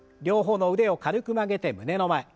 両方の腕を軽く曲げて胸の前。